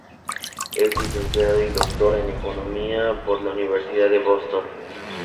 Es licenciado y doctor en Economía por la Universidad de Boston.